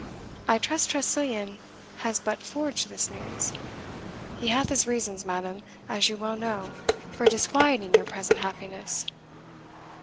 I trust Tressilian has but forged this news. He hath his reasons, madam, as you well know, for disquieting your present happiness."